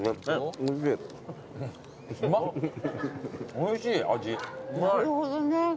おいしい。